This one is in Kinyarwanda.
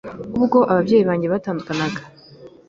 ubwo ababyeyi banjye batandukanaga,